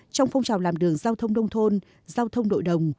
trong phong trào làm đường giao thông đông thôn giao thông đội đồng